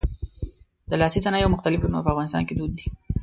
د لاسي صنایعو مختلف ډولونه په افغانستان کې دود دي.